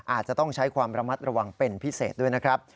อาจจะต้องใช้ความระมัดระวังเป็นพิเศษด้วยนะครับ